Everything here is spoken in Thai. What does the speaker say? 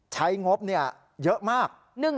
ใช้งบเยอะมาก